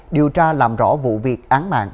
điều tra làm rõ vụ việc án mạng